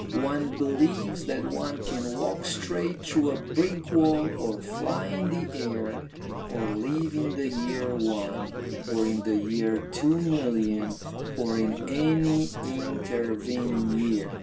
One believes that one can walk straight through a brick wall, or fly in the air, or live in the year one, or in the year two million, or in any intervening year.